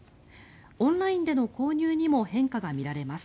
オンラインでの購入にも変化が見られます。